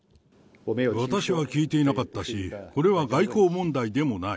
私は聞いていなかったし、これは外交問題でもない。